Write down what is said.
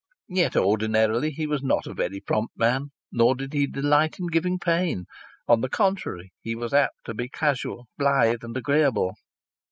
Yet ordinarily he was not a very prompt man, nor did he delight in giving pain. On the contrary, he was apt to be casual, blithe and agreeable.